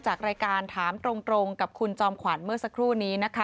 จากรายการถามตรงกับคุณจอมขวัญเมื่อสักครู่นี้นะคะ